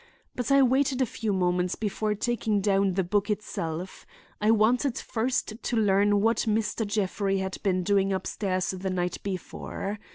But I waited a few moments before taking down the book itself. I wanted first to learn what Mr. Jeffrey had been doing upstairs the night before.